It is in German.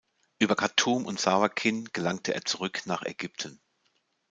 Über Khartum und Sawakin gelangte er zurück nach Ägypten.